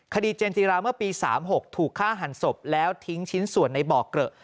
เจนจิราเมื่อปี๓๖ถูกฆ่าหันศพแล้วทิ้งชิ้นส่วนในบ่อเกลอะ